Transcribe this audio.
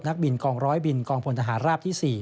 นักบินกองร้อยบินกองพลทหารราบที่๔